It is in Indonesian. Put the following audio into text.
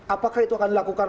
apakah itu akan dilakukan